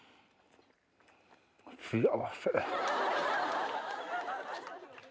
幸せ！